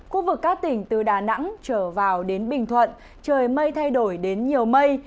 khu vực các tỉnh từ đà nẵng trở vào đến bình thuận trời mây thay đổi đến nhiều mây